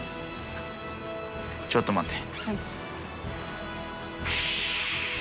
ちょっと待って！